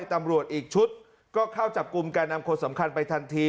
ตำรวจอีกชุดก็เข้าจับกลุ่มแก่นำคนสำคัญไปทันที